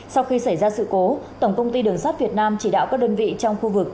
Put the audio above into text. sau khi xảy ra sự cố tổng công ty đường sắt việt nam chỉ đạo các đơn vị trong khu vực